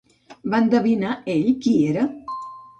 Va endevinar ell qui era?